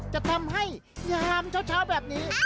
จะทำให้ยามเช้าแบบนี้